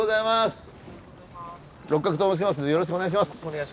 よろしくお願いします。